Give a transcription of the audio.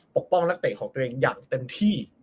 ปกป้องนักเตะของตัวเองอย่างเต็มที่